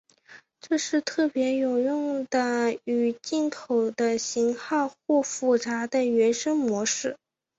这是特别有用的与进口的型号或复杂的原生模式。